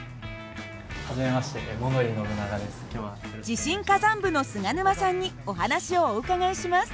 地震火山部の菅沼さんにお話をお伺いします。